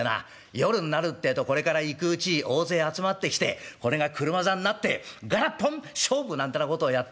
夜んなるってえとこれから行くうち大勢集まってきてこれが車座になって『ガラポン勝負！』なんてなことをやってんだ。